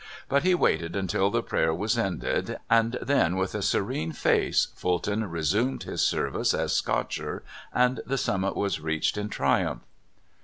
But he waited until the prayer was ended, and then with a serene face Fulton resumed his service as scotcher, and the summit was reached in triumph.